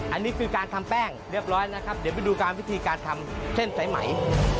อันนี้คือการทำแป้งเรียบร้อยนะครับเดี๋ยวไปดูการวิธีการทำเส้นสายไหม